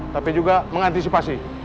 tapi juga mengantisipasi